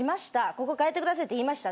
ここかえてくださいって言いました。